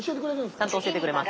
ちゃんと教えてくれます。